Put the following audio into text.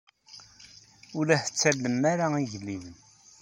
Ur la tettallem ara igellilen.